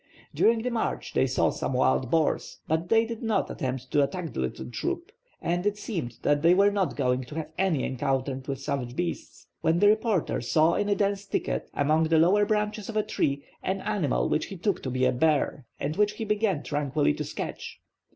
During the march they saw some wild boars, but they did not attempt to attack the little troupe, and it seemed that they were not going to have any encounter with savage beasts, when the reporter saw in a dense thicket, among the lower branches of a tree, an animal which he took to be a bear, and which he began tranquilly to sketch.